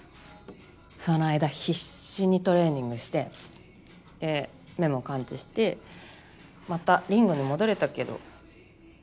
その間必死にトレーニングしてで目も完治してまたリングに戻れたけど。